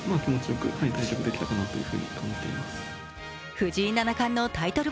藤井七冠のタイトル